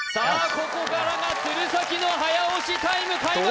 ここからが鶴崎の早押しタイム開幕